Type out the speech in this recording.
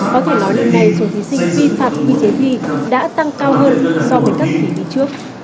có thể nói lần này số thí sinh vi phạm quy chế thi đã tăng cao hơn so với các kỳ thi trước